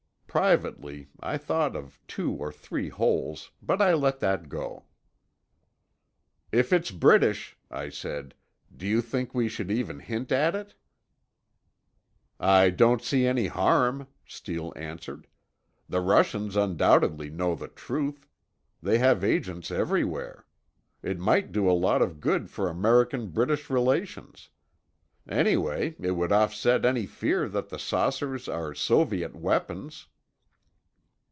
Privately, I thought of two or three holes, but I let that go. "If it's British," I said, "do you think we should even hint at it?" "I don't see any harm," Steele answered. "The Russians undoubtedly know the truth. They have agents everywhere. It might do a lot of good for American British relations. Anyway, it would offset any fear that the saucers are Soviet weapons."